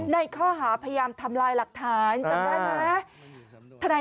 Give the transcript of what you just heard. ในข้อหาพยายามทำลายหลักฐานจำได้ไหม